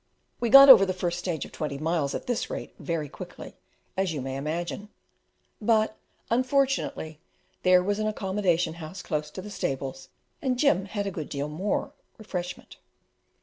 We got over the first stage of twenty miles at this rate very quickly, as you may imagine; but, unfortunately, there was an accommodation house close to the stables, and Jim had a good deal more refreshment.